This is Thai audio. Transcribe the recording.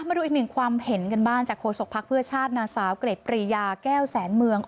มาดูอีกหนึ่งความเห็นกันบ้างจากโฆษกภักดิ์เพื่อชาตินางสาวเกร็ดปรียาแก้วแสนเมือง